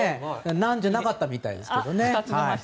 ナンじゃなかったみたいですけどね。